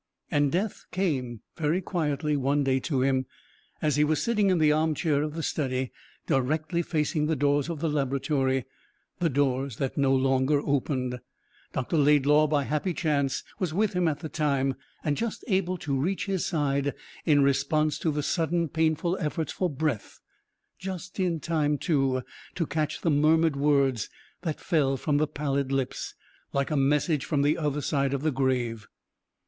And death came very quietly one day to him, as he was sitting in the arm chair of the study, directly facing the doors of the laboratory the doors that no longer opened. Dr. Laidlaw, by happy chance, was with him at the time, and just able to reach his side in response to the sudden painful efforts for breath; just in time, too, to catch the murmured words that fell from the pallid lips like a message from the other side of the grave.